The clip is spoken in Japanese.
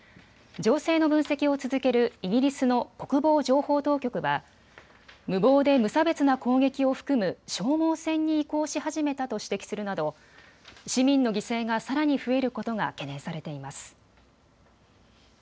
情勢の分析を続けるイギリスの国防情報当局は無謀で無差別な攻撃を含む消耗戦に移行し始めたと指摘するなど市民の犠牲がさらに増えることが懸念されています。